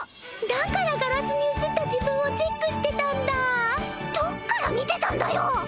だからガラスに映った自分をチェックしてたんだどっから見てたんだよ